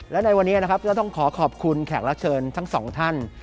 และในวันนี้นะครับก็ต้องขอขอบคุณแขกรับเชิญทั้งสองท่าน